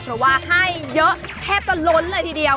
เพราะว่าให้เยอะแทบจะล้นเลยทีเดียว